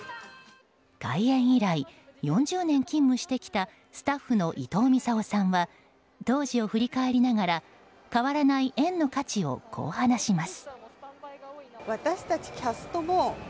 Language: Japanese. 開園以来４０年勤務してきたスタッフの伊藤操さんは当時を振り返りながら変わらない園の価値をこう話します。